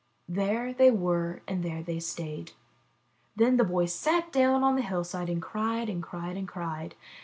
There they were and there they stayed. Then the boy sat down on the hillside and cried and cried and cried.